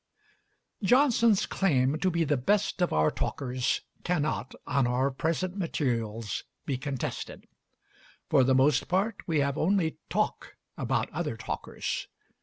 Johnson's claim to be the best of our talkers cannot, on our present materials, be contested. For the most part we have only talk about other talkers.